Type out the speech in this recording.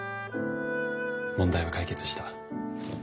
問題は解決した。